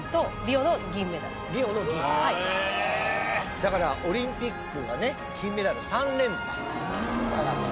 だからオリンピックがね金メダル３連覇！